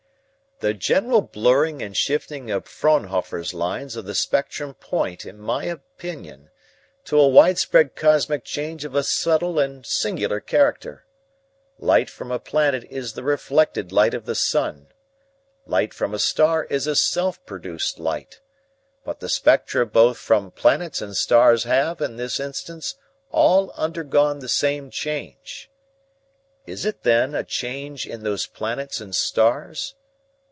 "The general blurring and shifting of Fraunhofer's lines of the spectrum point, in my opinion, to a widespread cosmic change of a subtle and singular character. Light from a planet is the reflected light of the sun. Light from a star is a self produced light. But the spectra both from planets and stars have, in this instance, all undergone the same change. Is it, then, a change in those planets and stars?